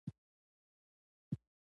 د ښه پلورنځي نښه منصفانه بیې دي.